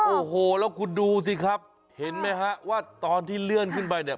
โอ้โหแล้วคุณดูสิครับเห็นไหมฮะว่าตอนที่เลื่อนขึ้นไปเนี่ย